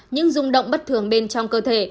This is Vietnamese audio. những dung động bất thường bên trong cơ thể